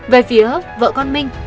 về phía vợ con minh